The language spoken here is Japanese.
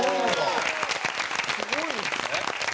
すごいんですね？